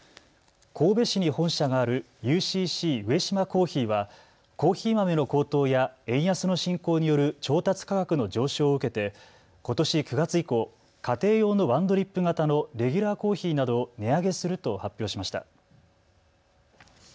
神戸市に本社があるＵＣＣ上島珈琲はコーヒー豆の高騰や円安の進行による調達価格の上昇を受けてことし９月以降、家庭用のワンドリップ型のレギュラーコーヒーなどを値上げすると発表しました。